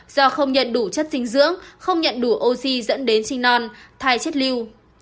do không nhận đủ chất dinh dưỡng không nhận đủ oxy dẫn đến sinh non thai chất lưu